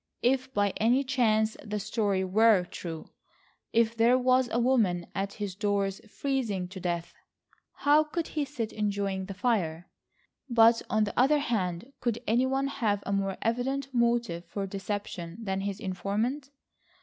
If by any chance the story were true,—if there was a woman at his doors freezing to death, how could he sit enjoying the fire? But, on the other hand, could any one have a more evident motive for deception than his informant?